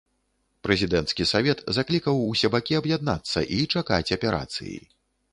Прэзідэнцкі савет заклікаў усе бакі аб'яднацца і чакаць аперацыі.